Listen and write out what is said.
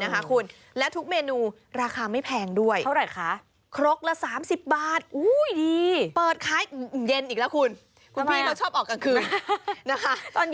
นี้คือเทคนิคนี้คือแบบสูทเด็ดของเขาเลย